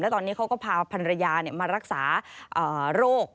แล้วตอนนี้เขาก็พาพันรยามารักษาโรค